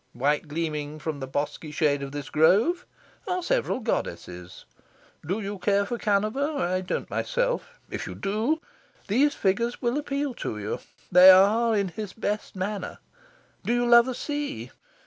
White gleaming from the bosky shade of this grove are several goddesses. Do you care for Canova? I don't myself. If you do, these figures will appeal to you: they are in his best manner. Do you love the sea?